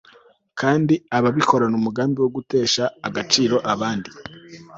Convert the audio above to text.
kandi akabikorana umugambi wo gutesha agaciro abandi